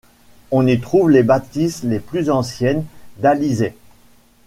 On y trouve les bâtisses les plus anciennes d'Alizay.